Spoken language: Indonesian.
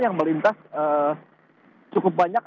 yang melintas cukup banyak